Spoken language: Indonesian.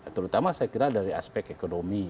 terutama saya kira dari aspek ekonomi